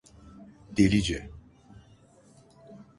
Delice.